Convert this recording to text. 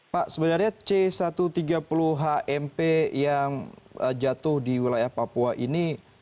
pak sebenarnya c satu ratus tiga puluh hmp yang jatuh di wilayah papua ini